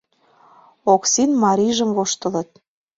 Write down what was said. — Оксин марийжым воштылыт.